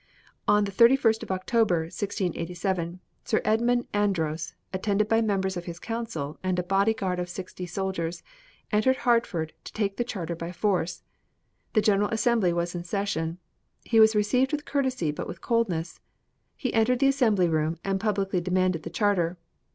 "On the 31st of October, 1687, Sir Edmund Andros, attended by members of his council and a bodyguard of sixty soldiers, entered Hartford to take the charter by force. The General Assembly was in session; he was received with courtesy, but with coldness. He entered the assembly room and publicly demanded the charter.